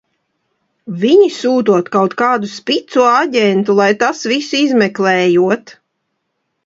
Viņi sūtot kaut kādu spico aģentu, lai tas visu izmeklējot!